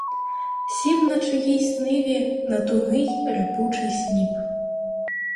Сів на чиїйсь ниві на тугий, рипучий сніп.